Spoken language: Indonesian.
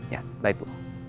ya baik bu